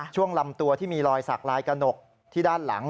ลำตัวที่มีรอยสักลายกระหนกที่ด้านหลัง